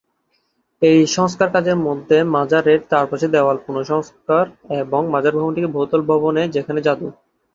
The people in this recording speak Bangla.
এই সংস্কার কাজের মধ্যে মাজারের চারপাশের দেয়ালের পুনঃসংস্কার এবং মাজার ভবনটিকে বহুতল ভবনে যেখানে যাদু।